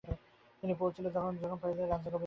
তিনি পৌছিলা যখনখবর পাইলা রাজা গৌবিন্দ তখন ।